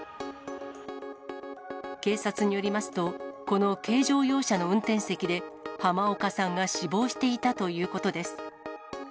警察によりますと、この軽乗用車の運転席で、濱岡さんが死亡していたということです。